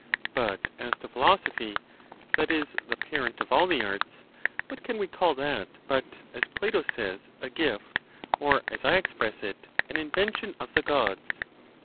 But as to philosophy, that is the parent of all the arts: what can we call that but, as Plato says, a gift, or, as I express it, an invention, of the Gods?